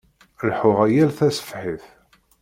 Leḥḥuɣ yal taṣebḥit.